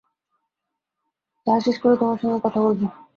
চা শেষ করে তোমার সঙ্গে কথা বলব!